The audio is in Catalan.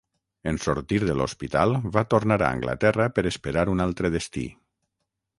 En sortir de l'hospital va tornar a Anglaterra per esperar un altre destí.